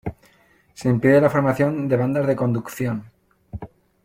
Se impide la formación de bandas de conducción.